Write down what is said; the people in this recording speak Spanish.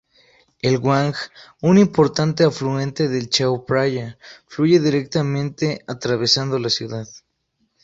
El Wang, un importante afluente del Chao Phraya, fluye directamente atravesando la ciudad.